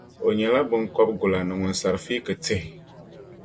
n nyɛla biŋkɔbigula ni ŋun sari fiig tihi.